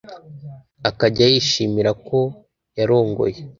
akajya yishimira ko yarongoye